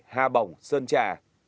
hà bồng sơn trà